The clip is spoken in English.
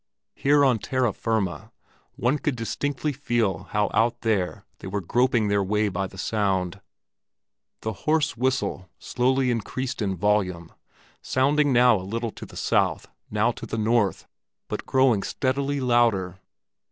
Here on terra firma one could distinctly feel how out there they were groping their way by the sound. The hoarse whistle slowly increased in volume, sounding now a little to the south, now to the north, but growing steadily louder.